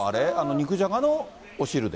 肉じゃがのお汁で？